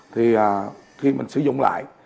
thì khi mình sử dụng lại